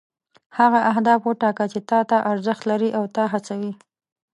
هغه اهداف وټاکه چې تا ته ارزښت لري او تا هڅوي.